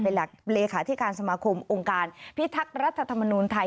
เป็นหลักเลขาธิการสมาคมองค์การพิทักษ์รัฐธรรมนูลไทย